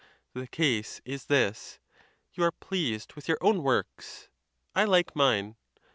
The case is this: you are pleased with your own works; I like mine.